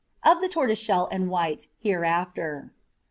Of the tortoiseshell and white hereafter.